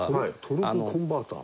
トルクコンバータ。